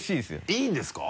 いいんですか？